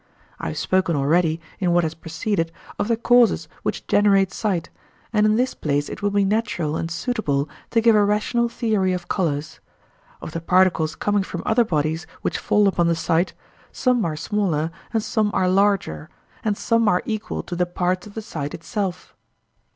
I have spoken already, in what has preceded, of the causes which generate sight, and in this place it will be natural and suitable to give a rational theory of colours. Of the particles coming from other bodies which fall upon the sight, some are smaller and some are larger, and some are equal to the parts of the sight itself.